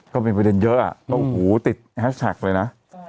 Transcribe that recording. ก็เป็นประเด็นเยอะต้องหูติดแฮชแท็กเลยนะ